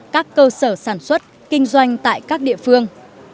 các cơ sở sản xuất kinh doanh tại các địa phương